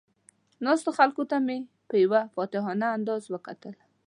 ناستو خلکو ته یې په یو فاتحانه انداز وکتل.